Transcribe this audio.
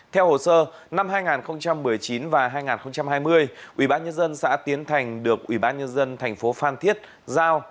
theo hồ sơ năm hai nghìn một mươi chín và hai nghìn hai mươi ubnd xã tiến thành được ubnd tp phan thiết giao